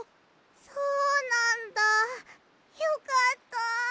そうなんだよかった。